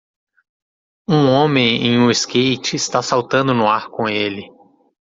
Um homem em um skate está saltando no ar com ele.